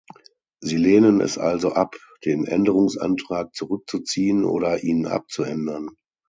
Sie lehnen es also ab, den Änderungsantrag zurückzuziehen oder ihn abzuändern.